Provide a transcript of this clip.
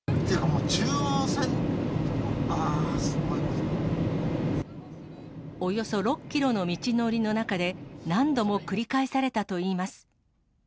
もう、中央線、およそ６キロの道のりの中で、何度も繰り返されたといいます。